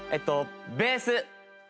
ベース。